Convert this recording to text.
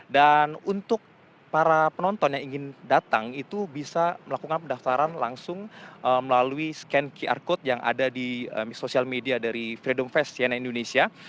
dan untuk para penonton yang ingin datang itu bisa melakukan pendaftaran langsung melalui scan qr code yang ada di social media dari freedom fest siena indonesia